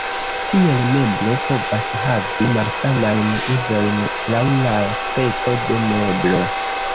Tiel, meblo povas havi malsamajn uzojn laŭ la speco de meblo.